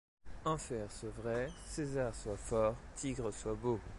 Enfer, sois vrai ; César, sois fort ; tigre, sois beau ;